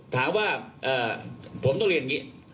ถามว่าผมต้องเรียนอย่างนี้